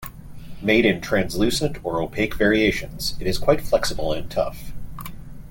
Made in translucent or opaque variations, it is quite flexible and tough.